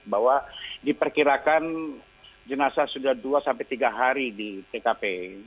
bahwa diperkirakan jenazah sudah dua tiga hari di tkp